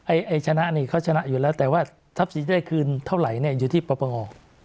ไอ้ชนะนี่เขาชนะอยู่แล้วแต่ว่าทรัพย์สินจะได้คืนเท่าไหร่เนี่ยอยู่ที่ปปง